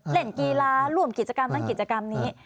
เล่นกีฬาร่วมกิจกรรมนั้นกิจกรรมนี้